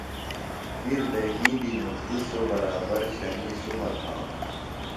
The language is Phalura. کِر دئنی دی مُݜٹوۡ سوۡ، برابر شنی سُمہ تھانوۡ